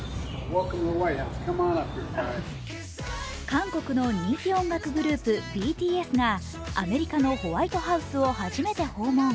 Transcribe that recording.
韓国の人気音楽グループＢＴＳがアメリカのホワイトハウスを初めて訪問。